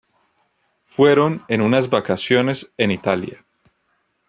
Fueron en unas vacaciones en Italia.